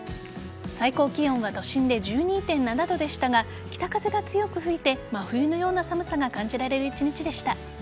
最高気温は都心で１２．７度でしたが北風が強く吹いて真冬のような寒さが感じられる一日でした。